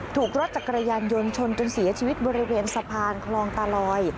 ถูกรถจักรยานยนต์ชนจนเสียชีวิตบริเวณสะพานคลองตาลอย